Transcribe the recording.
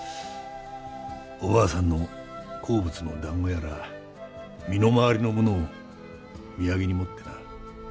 おばあさんの好物の団子やら身の回りのものを土産に持ってな。